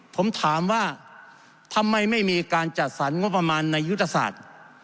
ผมถามว่าทำไมไม่มีการจัดสรรงบประมาณในยุทธศาสตร์